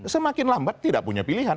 semakin lambat tidak punya pilihan